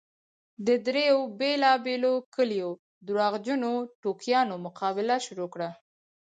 د دريو بېلابېلو کليو درواغجنو ټوکیانو مقابله شروع کړه.